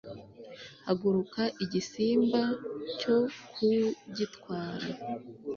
Haguruka igisimba cyo kugitwara